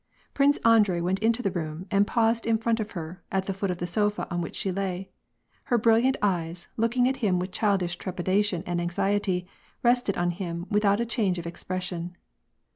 Prince Andrei went into the room and paused in front of her, at the foot of the sofa on which she lay. Her brilliant eyes, looking at him with childish trepidation and anxiety, rested on him without change of expression.